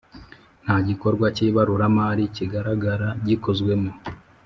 nta gikorwa cy ibaruramari kigaragara gikozwemo